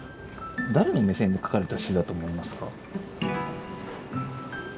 誰の目線で書かれた詩だと思いますか？